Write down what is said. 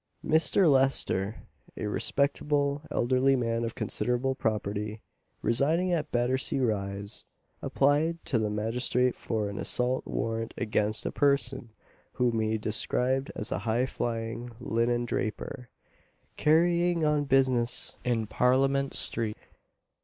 Mr. Lester, a respectable elderly man of considerable property, residing at Battersea rise, applied to the magistrate for an assault warrant against a person whom he described as a high flying linen draper, carrying on business in Parliament street.